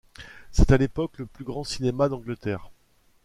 C'était à l'époque le plus grand cinéma d'Angleterre.